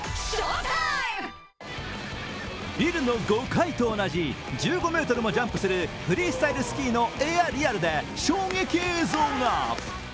ビルの５階と同じ１５ｍもジャンプするフリースタイルスキーのエアリアルで衝撃の映像が。